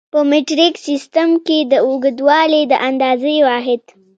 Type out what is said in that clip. په مټریک سیسټم کې د اوږدوالي د اندازې واحد